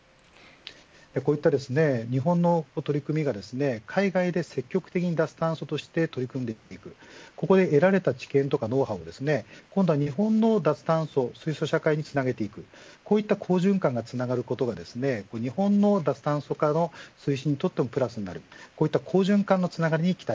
こういった日本の取り組みが海外で積極的に脱炭素として取り組んでいくここで得られた知見やノウハウを今度は日本の脱炭素水素社会につなげていくこういった好循環がつながることが日本の脱炭素化の推進にとってもプラスになる。